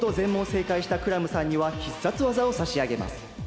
せいかいしたクラムさんには必殺技をさしあげます。